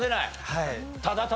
はい。